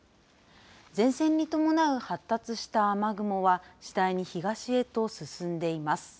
前線に伴う発達した雨雲は、次第に東へと進んでいます。